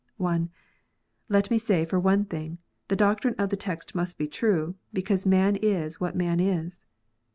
(1) Let me then say, for one thing, the doctrine of the text must be true, because man is what man is.